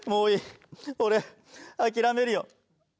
俺諦めるよ。